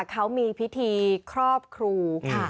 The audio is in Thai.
เขามีพิธีครอบครูค่ะ